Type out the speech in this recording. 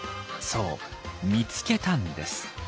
そう「見つけた」んです。